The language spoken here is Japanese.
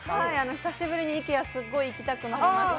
久しぶりにＩＫＥＡ、すごく行きたくなりました。